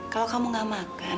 kalau kamu nggak makan